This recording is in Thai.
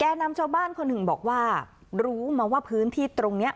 นำชาวบ้านคนหนึ่งบอกว่ารู้มาว่าพื้นที่ตรงนี้